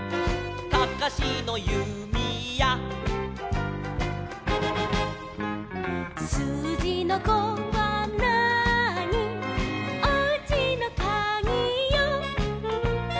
「かかしのゆみや」「すうじの５はなーに」「おうちのかぎよ」